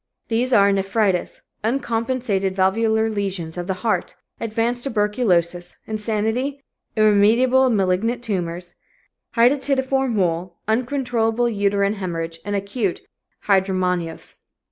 These are nephritis, uncompensated valvular lesions of the heart, advanced tuberculosis, insanity, irremediable malignant tumors, hydatidiform mole, uncontrollable uterine hemorrhage, and acute hydramnios."